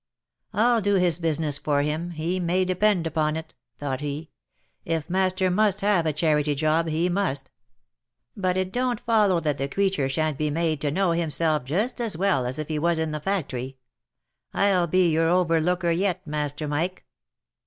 " I'll do his business for him, he. may depend upon it," thought he. " If master must have a charity job, he must ; but it don't fol low that the cretur shan't be made to know himself just as well as if he was in the factory. I'll be your overlooker yet, master Mike."